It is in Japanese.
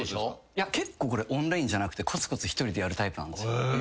結構これオンラインじゃなくてこつこつ一人でやるタイプなんですよ。